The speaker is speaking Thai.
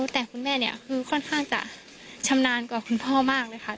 แต่คุณแม่เนี่ยคือค่อนข้างจะชำนาญกว่าคุณพ่อมากเลยค่ะ